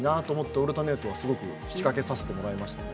「オルタネート」はすごく仕掛けさせてもらいました。